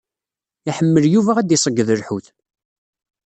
Iḥemmel Yuba ad d-iṣeyyed lḥut.